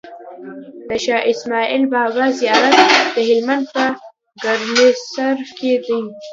د شاهاسماعيل بابا زيارت دهلمند په ګرمسير کی دی